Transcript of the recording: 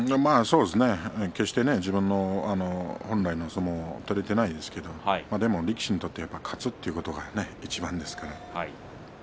決して自分の本来の相撲を取れていないですけれども、力士にとって勝つということがいちばんですから。